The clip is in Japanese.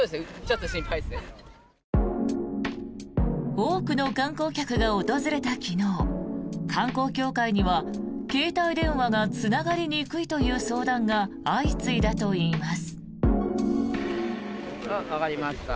多くの観光客が訪れた昨日観光協会には携帯電話がつながりにくいという相談が相次いだといいます。